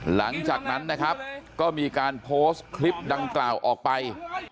หลังจากนั้นนะครับก็มีการโพสต์คลิปดังกล่าวออกไป